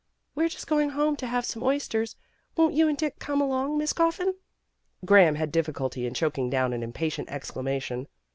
"We're just going home to have some oysters. Won't you and Dick come along, Miss Coffin?" Graham had difficulty in choking down an impatient exclamation.